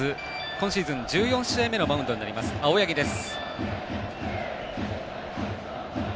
今シーズン１４試合目のマウンド青柳です。